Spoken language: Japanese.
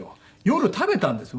夜食べたんです。